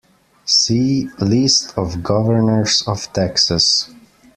See: "List of Governors of Texas"